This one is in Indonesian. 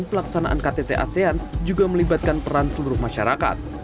pelaksanaan ktt asean juga melibatkan peran seluruh masyarakat